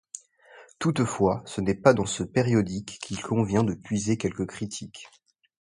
Toutefois, ce n'est pas dans ce périodique qu'il convient de puiser quelques critiques.